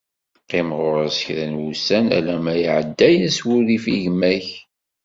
Qqim ɣur-s kra n wussan, alamma iɛedda-as wurrif i gma-k.